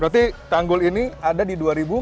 berarti tanggul ini ada di dua ribu